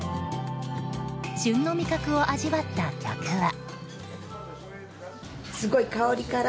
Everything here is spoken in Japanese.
旬の味覚を味わった客は。